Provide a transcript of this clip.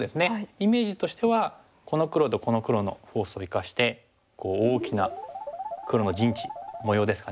イメージとしてはこの黒とこの黒のフォースを生かして大きな黒の陣地模様ですかね。